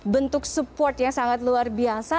bentuk support yang sangat luar biasa